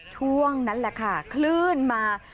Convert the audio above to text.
ช่วงนั้นแหละค่ะคลื่นมา